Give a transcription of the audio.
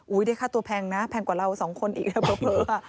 ได้ค่าตัวแพงนะแพงกว่าเราสองคนอีกแล้วเผลอ